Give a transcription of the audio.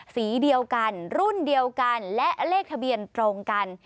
สีเดียวกันรุ่นเดียวกันและเลขทะเบียนตรงกัน